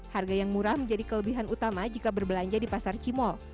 harga yang murah menjadi kelebihan utama jika berbelanja di pasar cimol